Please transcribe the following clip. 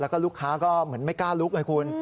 แล้วก็ลูกค้าก็เหมือนไม่กล้าลุกไงคุณ